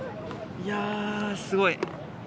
いやぁ、すごい！